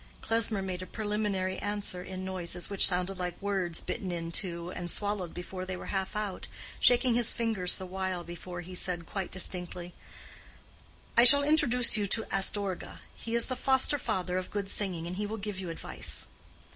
Klesmer made a preliminary answer in noises which sounded like words bitten in two and swallowed before they were half out, shaking his fingers the while, before he said, quite distinctly, "I shall introduce you to Astorga: he is the foster father of good singing and will give you advice."